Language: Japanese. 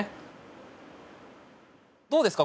どうですか？